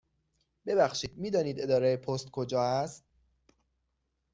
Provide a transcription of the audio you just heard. ببخشید، می دانید اداره پست کجا است؟